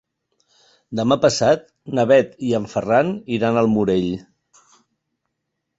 Demà passat na Bet i en Ferran iran al Morell.